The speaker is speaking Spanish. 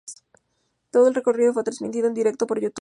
Todo el recorrido fue retransmitido en directo por Youtube.